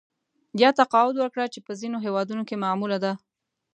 یا تقاعد ورکړه چې په ځینو هېوادونو کې معموله ده